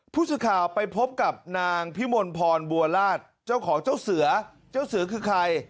ผู้สื่อข่าวไปพบกับนางพิมลพรบัวราชเจ้าของเจ้าเสือเจ้าเสือคือใคร